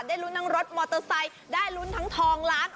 ลุ้นทั้งรถมอเตอร์ไซค์ได้ลุ้นทั้งทองล้าน